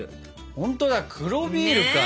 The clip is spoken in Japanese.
ほんとだ黒ビールか。ね。